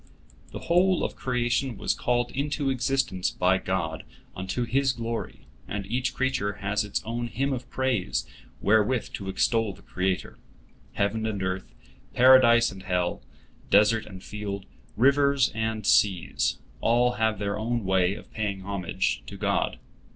" The whole of creation was called into existence by God unto His glory, and each creature has its own hymn of praise wherewith to extol the Creator. Heaven and earth, Paradise and hell, desert and field, rivers and seas—all have their own way of paying homage to God.